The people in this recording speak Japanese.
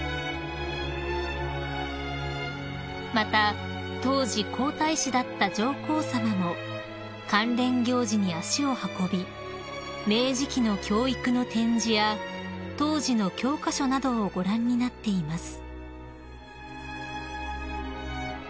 ［また当時皇太子だった上皇さまも関連行事に足を運び明治期の教育の展示や当時の教科書などをご覧になっています］